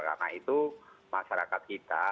karena itu masyarakat kita